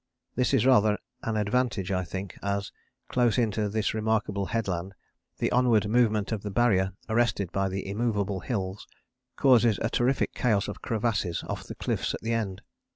This is rather an advantage, I think, as close in to this remarkable headland the onward movement of the Barrier arrested by the immovable hills causes a terrific chaos of crevasses off the cliffs at the end.